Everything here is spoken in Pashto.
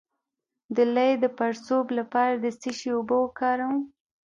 د لۍ د پړسوب لپاره د څه شي اوبه وکاروم؟